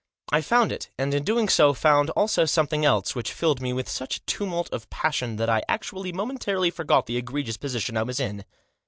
I found it, and, in doing so, fotind also something else, which filled me with such a tumult of passion that I actually momentarily forgot the egregious position I was in.